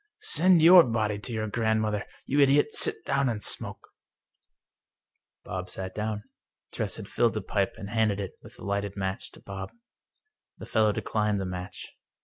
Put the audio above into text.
" Send your body to your grandmother ! You idiot, sit down and smoke !" Bob sat down. Tress had filled the pipe, and handed it, with a lighted match, to Bob. The fellow declined the match.